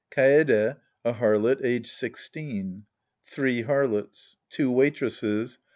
Kaede, a hailot, aged 16. Three Harlots. Two Waitresses.